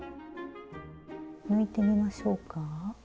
抜いてみましょうか。